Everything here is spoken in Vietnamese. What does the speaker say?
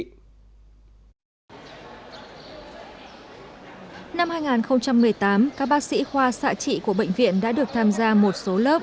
năm hai nghìn một mươi tám các bác sĩ khoa xạ trị của bệnh viện đã được tham gia một số lớp